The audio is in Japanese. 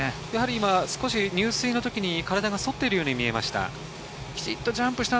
今、入水の時に体が反っているように見えました。